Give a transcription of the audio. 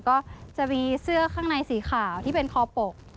ก็จะมีเสื้อข้างในสีขาวที่เป็นคอปก